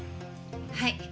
はい。